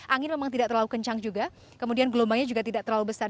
angin memang tidak terlalu kencang juga kemudian gelombangnya juga tidak terlalu besar